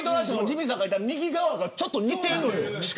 ジミーさんが描いた右側がちょっと似てるのよ。